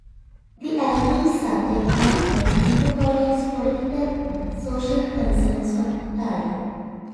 The album's subject matter incorporates political and social concerns of the time.